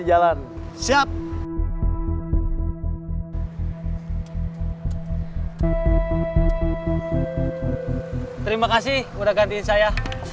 jadi siap dalam ruhanya